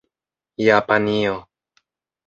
japanio